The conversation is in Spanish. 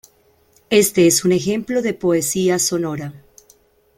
Este es un ejemplo de poesía sonora.